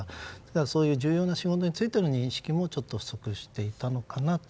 だから、そういう重要な仕事についている認識も不足していたのかと。